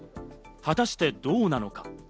果たしてどうなのか？